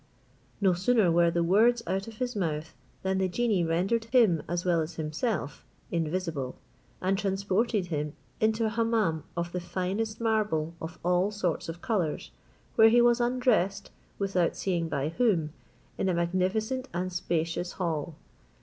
No sooner were the words out of his mouth than the genie rendered him, as well as himself, invisible, and transported him into a hummum of the finest marble of all sorts of colours; where he was undressed, without seeing by whom, in a magnificent and spacious hall.